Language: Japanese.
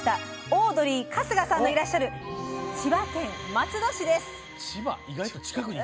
オードリー春日さんがいらっしゃる千葉県松戸市です。